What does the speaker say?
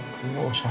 kamu gak usah